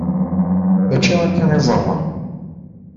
Mačči akka i ẓẓareɣ.